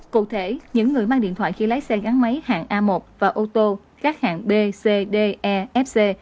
cụ thể những người mang điện thoại khi lái xe gắn máy hạng a một và ô tô khác hạng b c d e f c